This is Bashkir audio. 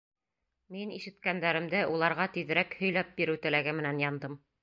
Мин ишеткәндәремде уларға тиҙерәк һөйләп биреү теләге менән яндым.